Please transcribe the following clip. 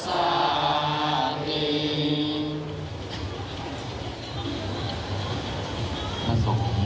รักษมณ์ก็ได้คำถามญาติอยู่